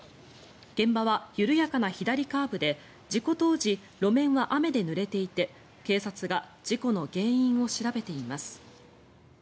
現場は緩やかな左カーブで事故当時、路面は雨でぬれていて警察が事故の原因を調べています。